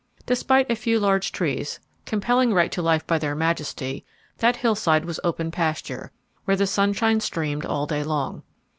Despite a few large trees, compelling right to life by their majesty, that hillside was open pasture, where the sunshine streamed all day long.